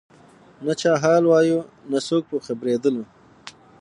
نه چا حال وایه نه څوک په خبرېدله